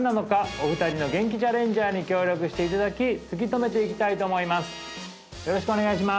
お二人のゲンキチャレンジャーに協力していただき突き止めていきたいと思います